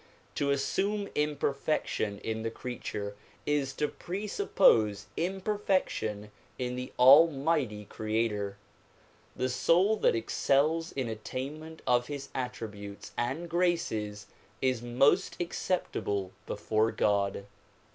To assume imperfec tion in the creature is to presuppose imperfection in the almighty creator. The soul that excels in attainment of his attributes and graces is most acceptable before God.